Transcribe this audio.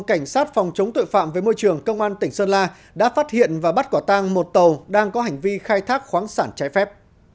cảnh sát phòng chống tội phạm với môi trường công an tỉnh sơn la đã phát hiện và bắt quả tang một tàu đang có hành vi khai thác khoáng sản trái phép